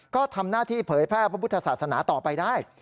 ก็ทำหน้าที่เผยแพร่พระพุทธศาสนาต่อไปได้